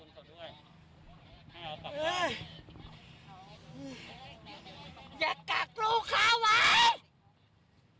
เรียกชื่อนามตระกูลเขาด้วย